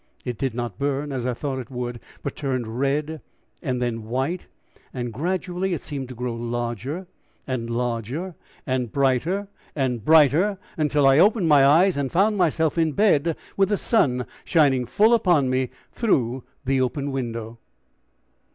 It did not burn, as I thought it would, but turned red and then white; gradually it seemed to grow larger and larger and brighter and brighter until I opened my eyes and found myself in bed with the sun shining full upon me through the open window.